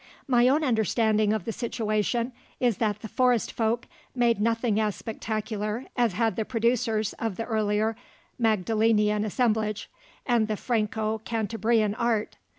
My own understanding of the situation is that the "Forest folk" made nothing as spectacular as had the producers of the earlier Magdalenian assemblage and the Franco Cantabrian art.